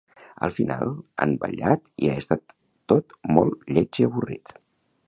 Al final han ballat i ha estat tot molt lleig i avorrit.